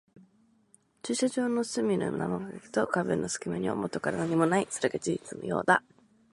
駐車場の隅の生垣と壁の隙間にはもとから何もない。それが事実のようだった。